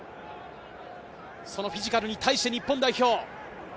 そのフィジカルに対して日本代表。